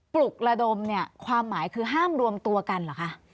ปลุกระดมเนี่ยความหมายคือห้ามรวมตัวกันเหรอคะ